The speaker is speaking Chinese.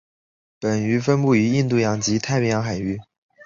本鱼分布于印度洋及太平洋海域。